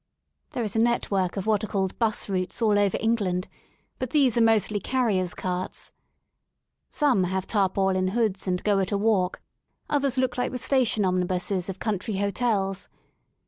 There is a network of what are called 'bus routes all over England, but these are mostly carrier's carts. Some have tarpaulin hoods and go at a walk, others look like the station omnibuses of country hotels.